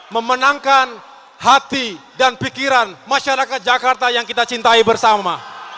memenangkan hati dan pikiran masyarakat jakarta yang kita cintai bersama